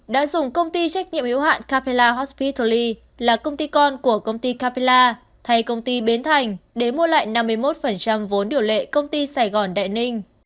đã dùng công ty trách nhiệm yếu hạn capella hospitaly là công ty con của công ty capella thay công ty bến thành để mua lại năm mươi một vốn điều lệ công ty sài gòn đại ninh